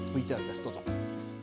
ＶＴＲです、どうぞ。